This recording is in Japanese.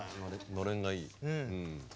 のれんがいい。